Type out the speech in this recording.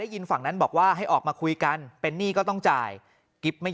ยินฝั่งนั้นบอกว่าให้ออกมาคุยกันเป็นหนี้ก็ต้องจ่ายกิ๊บไม่